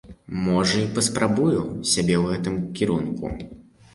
Можа, і паспрабую сябе ў гэтым кірунку.